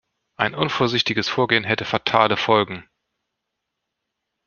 Ein unvorsichtiges Vorgehen hätte fatale Folgen.